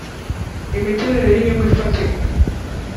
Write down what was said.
imiterere y inyungu ifatika